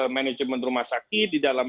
manajemen rumah sakit di dalam